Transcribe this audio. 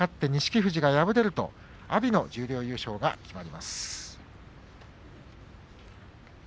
富士が敗れると阿炎の十両優勝が決まります。